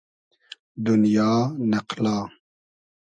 دونیا ، نئقلا